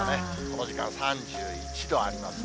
この時間、３１度あります。